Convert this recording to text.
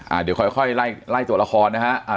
เดี๋ยวค่อยค่อยไล่ไล่ตัวละครนะฮะอ่า